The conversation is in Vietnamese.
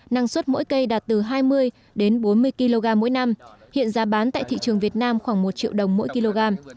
năng suất mỗi cây đạt từ hai mươi đến bốn mươi kg mỗi năm hiện giá bán tại thị trường việt nam khoảng một triệu đồng mỗi kg